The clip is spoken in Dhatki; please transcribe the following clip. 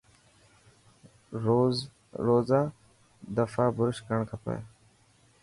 روز آ دفا برش ڪرڻ کپي.